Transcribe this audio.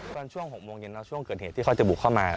ตอนช่วง๖โมงเย็นช่วงเกิดเหตุที่เขาจะบุกเข้ามา